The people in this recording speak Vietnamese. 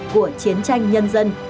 của chiến tranh nhân dân